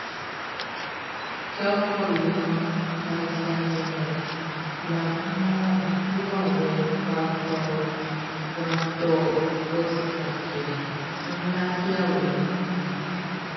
Kɛ ɔ ko yo naan wʼa di aliɛ nga bla kun mɔ i wawɛʼn wʼa tɔʼn, ɔ tɔnʼn, ɔ ti kpa, kɛ n lafi awe nunʼn.